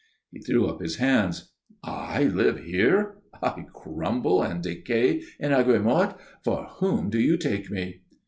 He threw up his hands. "I live here? I crumble and decay in Aigues Mortes? For whom do you take me?"